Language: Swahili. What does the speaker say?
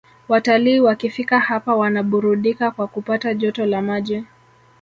Watalii wakifika hapa wanaburudika kwa kupata joto la maji